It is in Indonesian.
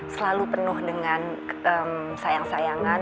selalu penuh dengan sayang sayangan